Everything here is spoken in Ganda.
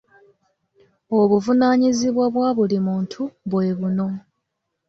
Obuvunaanyizibwa bwa buli muntu bwebuno.